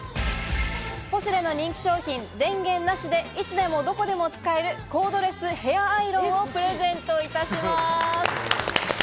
ポシュレの人気商品、電源なしで、いつでもどこでも使えるコードレスヘアアイロンをプレゼントいたします。